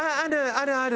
あるある。